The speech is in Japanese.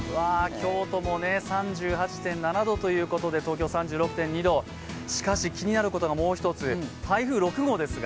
京都も３８．７度ということで、東京３６．２度、しかし気になることがもう一つ台風６号ですが。